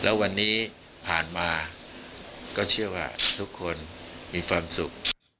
แล้ววันนี้ผ่านมาก็เชื่อว่าทุกคนมีความสุข